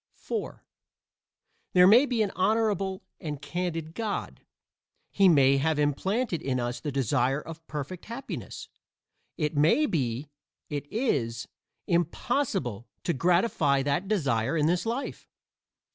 (4) There may be an honorable and candid God. He may have implanted in us the desire of perfect happiness. It may be it is impossible to gratify that desire in this life.